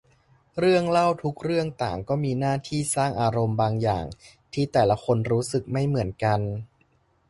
เรื่องเล่าทุกเรื่องต่างก็มีหน้าที่สร้างอารมณ์บางอย่าง ที่แต่ละคนรู้สึกไม่เหมือนกัน